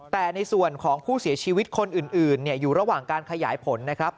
แต่ในส่วนของผู้เสียชีวิตคนอื่นอยู่ระหว่างการขยายผลนะครับ